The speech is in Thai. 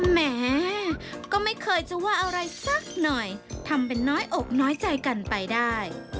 แหมก็ไม่เคยจะว่าอะไรสักหน่อยทำเป็นน้อยอกน้อยใจกันไปได้